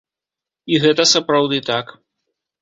І гэта сапраўды так.